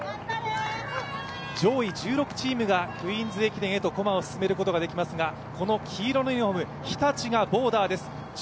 上位１６チームがクイーンズ駅伝へと駒を進めることができますがこの黄色のユニフォーム、日立がボーダーです。